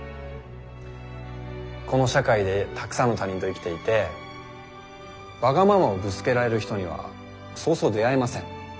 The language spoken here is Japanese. この社会でたくさんの他人と生きていてわがままをぶつけられる人にはそうそう出会えません。